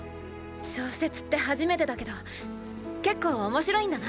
小説って初めてだけど結構面白いんだな！